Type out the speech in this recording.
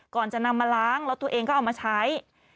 ก่อนจะนำมาล้างแล้วตัวเองก็เอามาใช้